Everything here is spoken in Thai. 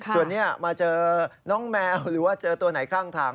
ส่วนนี้มาเจอน้องแมวหรือว่าเจอตัวไหนข้างทาง